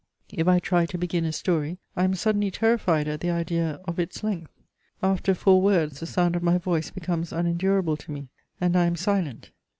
If I try to begin a story, I am suddenly terrified at the idea of its length; after four words, the sound of my voice becomes unendurable to me, and I am silent.